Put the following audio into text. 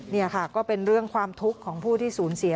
นี่ค่ะก็เป็นเรื่องความทุกข์ของผู้ที่สูญเสีย